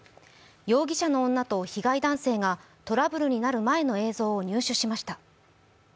容疑者の女と被害男性がトラブルになる前の映像を入手しました。